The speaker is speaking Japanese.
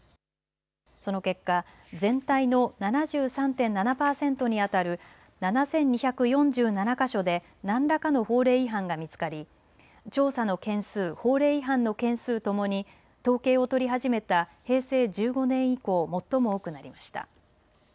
その結果、全体の７３．７％にあたる７２４７か所で何らかの法令違反が見つかり調査の件数、法令違反の件数ともに統計を取り始めた平成１５年以降、最も多くなりました。